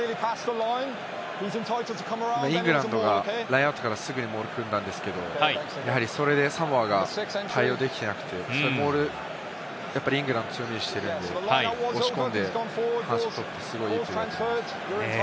イングランドがラインアウトからすぐにモールを組んだんですけど、それでサモアが対応できてなくて、モールはイングランドが強みにしているので、押し込んでいいプレーだと思います。